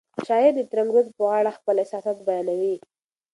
شاعر د ترنګ رود په غاړه خپل احساسات بیانوي.